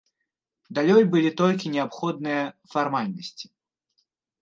Далей былі толькі неабходныя фармальнасці.